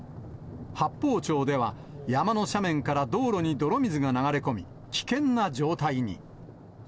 八峰町では、山の斜面から道路に泥水が流れ込み、危険な状態に。